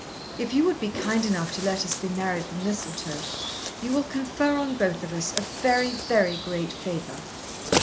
If you would be kind enough to let us be married from Mistletoe, you will confer on both of us a very, very great favour."